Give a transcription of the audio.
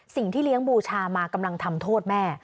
สิ่งที่เลี้ยงบูชามากำลังทำโทษแม่